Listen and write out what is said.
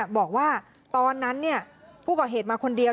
บอกว่าตอนนั้นผู้ก่อเหตุมาคนเดียว